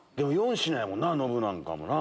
４品やもんなノブなんかもな。